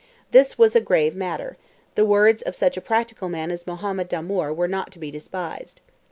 This was grave matter; the words of such a practical man as Mohammed Damoor were not to be despised.